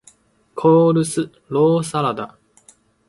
コールスローサラダ